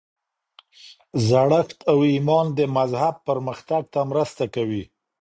زړښت او ایمان د مذهب پرمختګ ته مرسته کوي.